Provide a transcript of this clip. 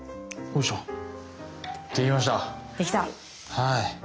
はい。